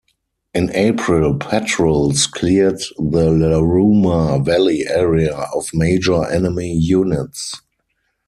In April patrols cleared the Laruma Valley area of major enemy units.